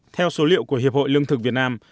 theo số liệu của hiệp hội lương thực việt nam